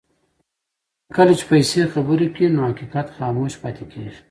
کله چې پیسې خبرې کوي نو حقیقت خاموش پاتې کېږي.